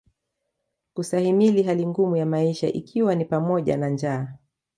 Kustahimili hali ngumu ya maisha ikiwa ni pamoja na njaa